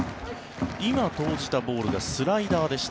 今投じたボールがスライダーでした。